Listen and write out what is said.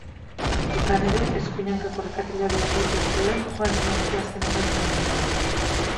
Izan ere, eskuin hankako orkatila bihurritu zuen joan zen asteazkeneko entrenamenduan.